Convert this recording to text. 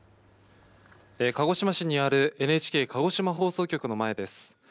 鹿児島市にあるＮＨＫ鹿児島放送局の前です。